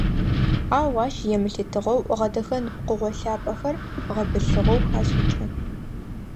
Ау ащ емылъытыгъэу гъэдэхэн пкъыгъо лъапӏэхэр гъэбылъыгъэу хашӏыкӏы.